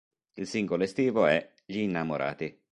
Il singolo estivo è: "Gli innamorati".